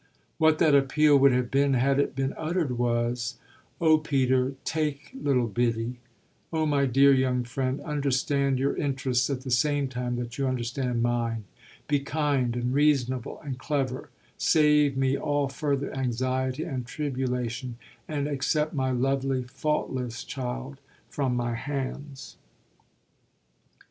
What that appeal would have been had it been uttered was: "Oh Peter, take little Biddy; oh my dear young friend, understand your interests at the same time that you understand mine; be kind and reasonable and clever; save me all further anxiety and tribulation and accept my lovely, faultless child from my hands."